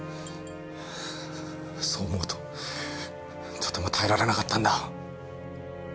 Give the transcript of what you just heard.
そう思うととても耐えられなかったんだ。